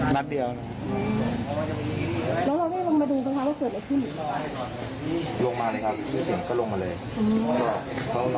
นัดเดียว